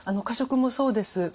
過食もそうです。